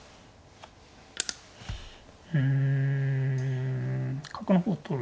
うん角の方取る？